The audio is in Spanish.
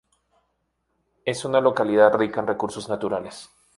Es una localidad rica en recursos naturales.